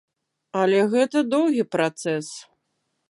Але гэта доўгі працэс.